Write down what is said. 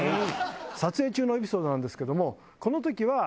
撮影中のエピソードなんですけども。